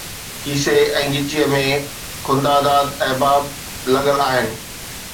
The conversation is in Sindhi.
کيسي ۽ ڳچيءَ ۾ ’خنددا احباب‘ لڳل آهن